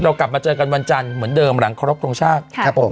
กลับมาเจอกันวันจันทร์เหมือนเดิมหลังครบทรงชาติครับผม